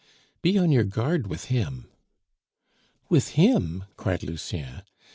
"Be on your guard with him." "With him?" cried Lucien.